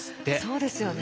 そうですよね。